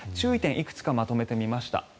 いくつかまとめてみました。